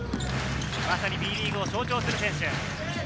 まさにＢリーグを象徴する選手。